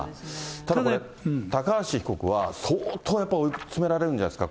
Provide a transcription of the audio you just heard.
ただ、高橋被告は相当やっぱり追い詰められるんじゃないですか。